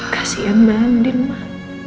kasihan mbak andin mak